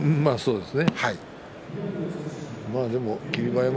そうですね。